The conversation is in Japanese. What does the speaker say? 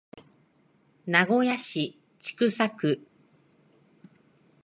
名古屋市千種区